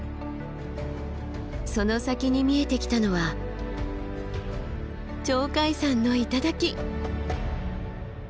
その先に見えてきたのは鳥海山の頂。